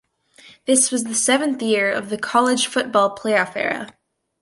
This was the seventh year of the College Football Playoff era.